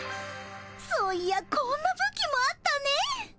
そういやこんなぶきもあったねぇ。